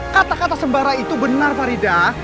kata kata sembarang itu benar faridah